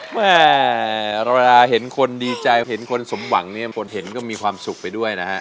แม่เราเวลาเห็นคนดีใจเห็นคนสมหวังเนี่ยคนเห็นก็มีความสุขไปด้วยนะฮะ